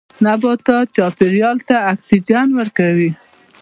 نباتات چاپیریال ته اکسیجن ورکوي